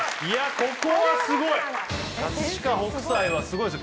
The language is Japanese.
ここはすごい葛飾北斎はすごいっすよ